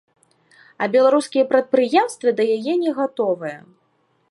А беларускія прадпрыемствы да яе не гатовыя.